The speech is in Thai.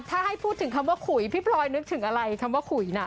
ถ้าให้พูดถึงคำว่าขุยพี่พลอยนึกถึงอะไรคำว่าขุยน่ะ